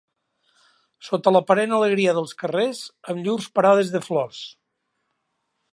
Sota l'aparent alegria dels carrers, amb llurs parades de flors